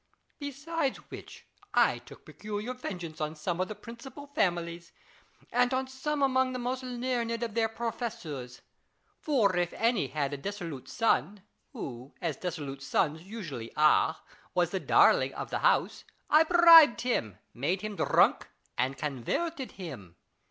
Beside which, I took peculiar vengeance on some of the principal families, and on some among the most learned of their professors ; for if any had a dissolute son, who, as dissolute sons usually are, was the darling of the house, I bribed him, made him drunk, and converted him.